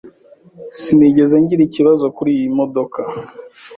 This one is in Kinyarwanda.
Sinigeze ngira ikibazo kuriyi modoka.